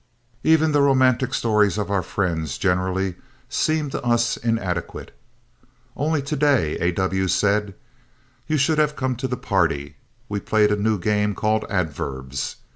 Even the romantic stories of our friends generally seem to us inadequate. Only to day A. W. said, "You should have come to the party. We played a new game called 'adverbs.'